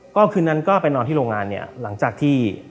ก็คืนนั้นก็ไปนอนที่โรงงานเนี่ยหลังจากที่